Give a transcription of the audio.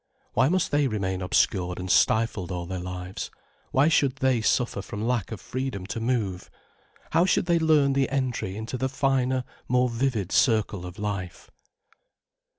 Why must they remain obscured and stifled all their lives, why should they suffer from lack of freedom to move? How should they learn the entry into the finer, more vivid circle of life?